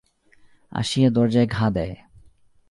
আসিয়া দরজায় ঘা দেয়।